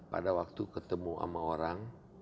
pada waktu ketemu sama orang